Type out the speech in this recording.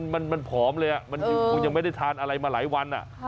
มันผอมเลยมันคงยังไม่ได้ทานอะไรมาหลายวัน